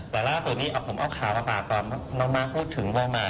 แต่ล่าสุดนี้ผมเอาข่าวมาฝากตอนน้องมาร์คพูดถึงวงแห